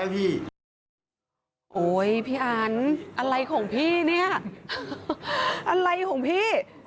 โอ้โฮพี่อันอะไรของพี่อะไรของพี่